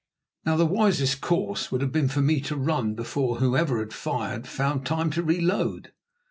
Now, the wisest course would have been for me to run before whoever had fired found time to reload.